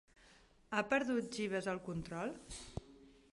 Ha perdut Jeeves el control?